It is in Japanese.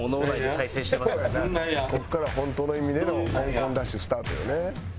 ここからが本当の意味でのコンコンダッシュスタートよね。